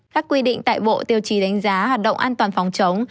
các quy định tại bộ tiêu chí đánh giá hoạt động an toàn phòng chống